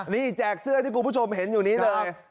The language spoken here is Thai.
นี่แจกเสื้อที่คุณผู้ชมเห็นอยู่นี้เลย